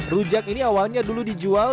rujak ini awalnya dulu dijual